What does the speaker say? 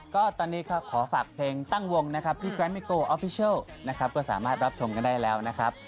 ก็ตอนนี้ก็ขอฝากเพลงตั้งวงนะครับพี่ไรมิโกออฟฟิเชลนะครับก็สามารถรับชมกันได้แล้วนะครับ